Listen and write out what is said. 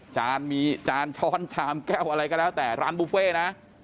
จานมีจานช้อนชามแก้วอะไรก็แล้วแต่ร้านบุฟเฟ่นะ